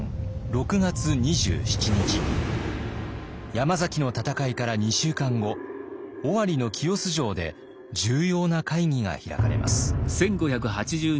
山崎の戦いから２週間後尾張の清須城で重要な会議が開かれます。